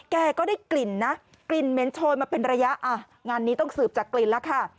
แกก็ได้กลิ่นเมนโทยมาเป็นระยะงานนี้ต้องสืบจากกลิ่นแล้วค่ะ